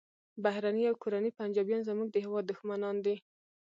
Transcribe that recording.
بهرني او کورني پنجابیان زموږ د هیواد دښمنان دي